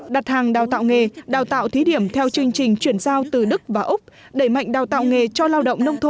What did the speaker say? đặt hàng đào tạo nghề đào tạo thí điểm theo chương trình chuyển giao từ đức và úc đẩy mạnh đào tạo nghề cho lao động nông thôn